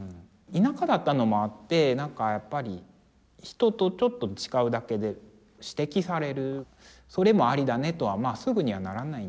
田舎だったのもあってなんかやっぱり人とちょっと違うだけで指摘されるそれもありだねとはまあすぐにはならないんですよ。